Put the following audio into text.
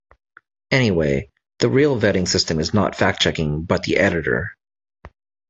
Anyway, the real vetting system is not fact-checking but the editor.